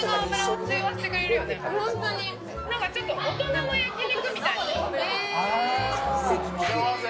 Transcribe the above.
ホントにちょっと大人の焼肉みたいな幸せ？